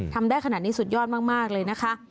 ทำได้ขนาดนี้สุดยอดมากเลยนะคะ